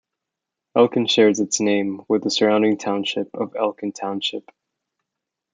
Elkin shares its name with the surrounding township of Elkin Township.